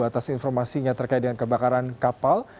atas informasinya terkait dengan kebakaran kapal